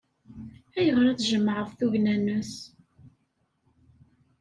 Ayɣer ay tjemɛeḍ tugna-nnes?